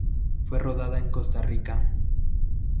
Fue rodada en Costa Rica.